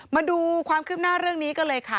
มาดูความคืบหน้าเรื่องนี้กันเลยค่ะ